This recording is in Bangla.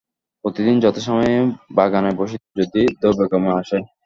প্রতিদিন যথাসময়ে বাগানে বসিত, যদি দৈবক্রমে আসে।